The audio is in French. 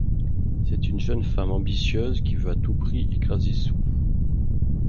C'est une jeune femme ambitieuse qui veut à tout prix écraser Sue.